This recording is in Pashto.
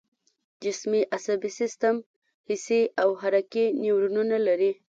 جسمي عصبي سیستم حسي او حرکي نیورونونه لري